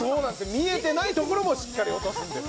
見えてない所もしっかり落とすんです。